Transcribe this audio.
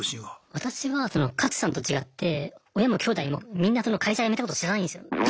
私はカツさんと違って親もきょうだいもみんな会社辞めたこと知らないんですよ。